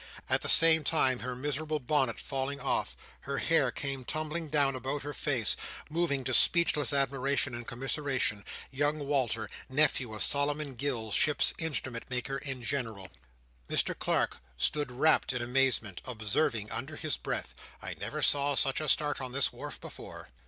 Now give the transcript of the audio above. At the same time her miserable bonnet falling off, her hair came tumbling down about her face: moving to speechless admiration and commiseration, young Walter, nephew of Solomon Gills, Ships' Instrument maker in general. Mr Clark stood rapt in amazement: observing under his breath, I never saw such a start on this wharf before.